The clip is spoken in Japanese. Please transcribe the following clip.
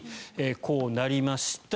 こうなりました。